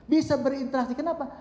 bisa berinteraksi kenapa